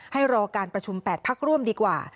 ให้รอการประชุม๘พักร่วมดีกว่า